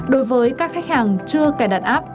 đối với các khách hàng chưa cài đặt app